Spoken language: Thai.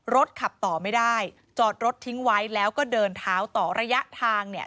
รถขับต่อไม่ได้จอดรถทิ้งไว้แล้วก็เดินเท้าต่อระยะทางเนี่ย